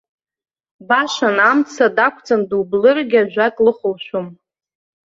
Башан, амца дақәҵаны дублыргьы, ажәак лыхәлшәом.